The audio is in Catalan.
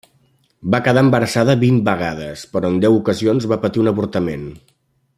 Va quedar embarassada vint vegades, però en deu ocasions va patir un avortament.